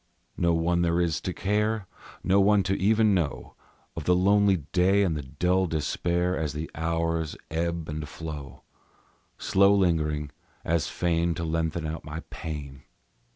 No one there is to care; Not one to even know Of the lonely day and the dull despair As the hours ebb and flow, Slow lingering, as fain to lengthen out my pain.